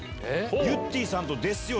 ゆってぃさんとですよ。